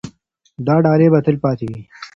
دا ډالۍ به تل پاتې وي.